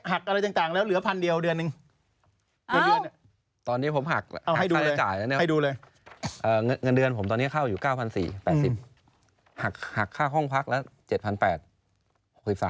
ไม่มีใครเต็มใจหรอกเงินเดือนก็น้อย